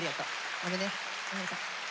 ごめんね。